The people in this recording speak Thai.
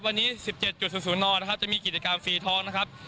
วันนี้สิบเจ็ดจุดสูงสูงนอนะครับจะมีกิจกรรมฟรีท้องนะครับ